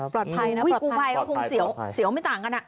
ปลอดภัยนะคู่ภัยก็คงเสียวไม่ต่างกันนะ